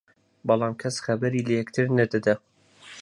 بەڵام کەس خەبەری لە یەکتر نەدەدا